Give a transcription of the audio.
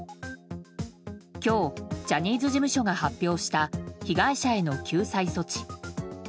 今日、ジャニーズ事務所が発表した被害者への救済措置。